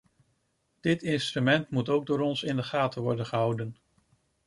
Dit instrument moet ook door ons in de gaten worden gehouden.